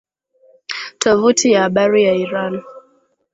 Tovuti ya habari ya Iran